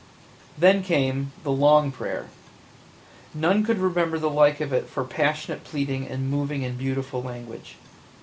Then came the "long" prayer. None could remember the like of it for passionate pleading and moving and beautiful language.